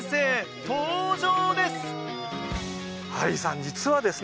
実はですね